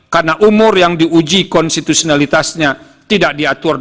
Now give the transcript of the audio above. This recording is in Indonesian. karena umur yang diuji konstitusionalitasnya tidak diaturkan